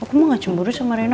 aku mah gak cemburu sama rina